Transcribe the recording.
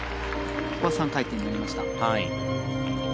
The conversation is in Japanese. ここは３回転になりました。